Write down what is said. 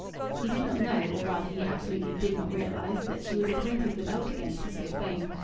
He did not know, or rather he absolutely did not realize, that she was acquainted with aught against his good fame.